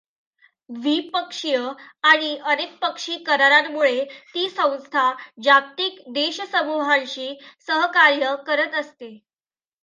द्विपक्षीय आणि अनेकपक्षी करारांमुळे ती संस्था जागतिक देशसमू्हांशी सहकार्य करत असते.